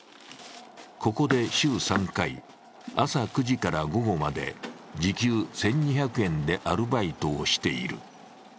ここで週３回、朝９時から午後まで時給１２００円でアルバイトをしている。